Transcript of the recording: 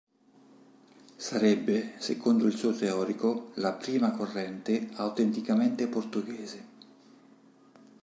Sarebbe, secondo il suo teorico, la prima corrente autenticamente portoghese.